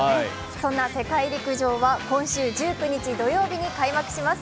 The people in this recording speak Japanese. そんな世界陸上は今週１９日土曜日に開幕します。